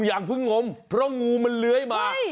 อย่าเพิ่งงมเพราะงูมันเลื้อยมา